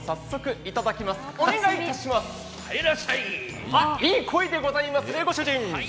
いい声でございますねご主人。